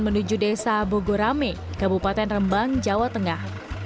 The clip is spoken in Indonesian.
menuju desa bogorame kabupaten rembang jawa tengah